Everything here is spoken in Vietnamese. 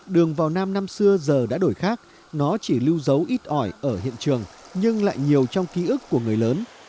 đường vào nam năm xưa giờ đã đổi khác nó chỉ lưu giấu ít ỏi ở hiện trường nhưng lại nhiều trong ký ức của người lớn